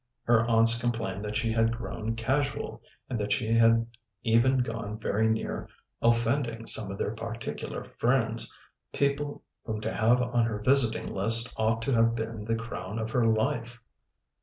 Her aunts complained that she had grown casual, and that she had even gone very near offending some of their particular friends, people whom to have on her visiting list ought to have been the crown of her life.